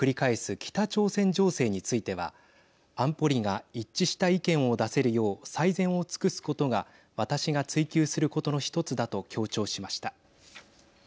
北朝鮮情勢については安保理が一致した意見を出せるよう最善を尽くすことが私が追求することの１つだと強調しました。